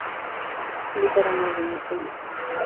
De esa rama viene Elisa.